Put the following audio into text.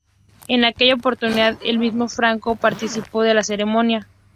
En aquella oportunidad el mismo Franco participó de la ceremonia.